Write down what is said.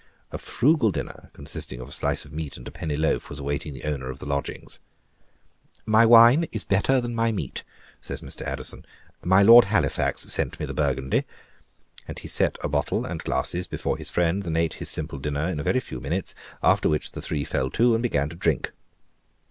A frugal dinner, consisting of a slice of meat and a penny loaf, was awaiting the owner of the lodgings. "My wine is better than my meat," says Mr. Addison; "my Lord Halifax sent me the Burgundy." And he set a bottle and glasses before his friends, and ate his simple dinner in a very few minutes, after which the three fell to, and began to drink.